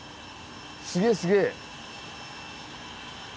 すげえすげえ！